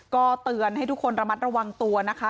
ก็เตือนให้ทุกคนระมัดระวังตัวนะคะ